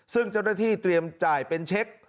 ซึ่งเจ้าหน้าที่เตรียมจ่ายเป็นเช็ค